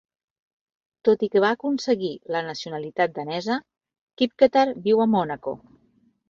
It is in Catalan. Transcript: Tot i que va aconseguir la nacionalitat danesa, Kipketer viu a Mònaco.